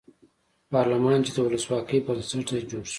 پارلمان چې د ولسواکۍ بنسټ دی جوړ شو.